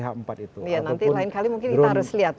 iya nanti lain kali mungkin kita harus lihat